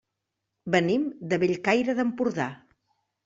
Venim de Bellcaire d'Empordà.